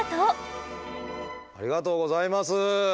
ありがとうございます。